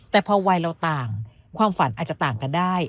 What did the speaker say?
แต่พอวัยเราต่างความฝันอาจจะต่างกันได้